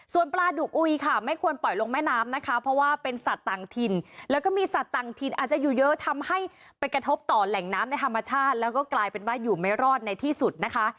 ส่วนปลาดุกอุยค่ะไม่ควรปล่อยลงแม่น้ำนะคะเพราะว่าเป็นสัตว์ต่างถิ่นแล้วก็มีสัตว์ต่างถิ่นอาจจะอยู่เยอะทำให้ไปกระทบต่อแหล่งน้ำในธรรมชาติแล้วก็กลายเป็นว่าอยู่ไม่รอดในที่สุดนะคะ